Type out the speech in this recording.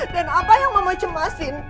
dan apa yang mama cemasin